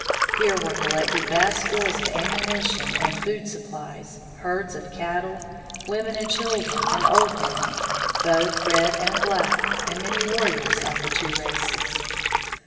Here were collected vast stores of ammunition and food supplies, herds of cattle, women and children and old men, both red and black, and many warriors of the two races.